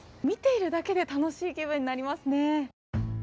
見ているだけで楽しい気分になりますね。